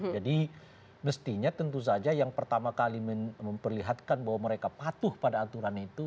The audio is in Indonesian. jadi mestinya tentu saja yang pertama kali memperlihatkan bahwa mereka patuh pada aturan itu